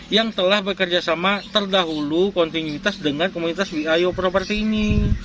yang telah bekerjasama terdahulu kontinuitas dengan komunitas we are your property ini